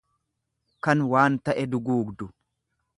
kan waan ta'e duguugdu.